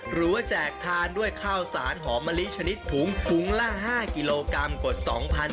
หรือว่าแจกทานด้วยข้าวสารหอมะลิชนิดถุงถุงล่างห้ากิโลกรัมกว่าสองพัน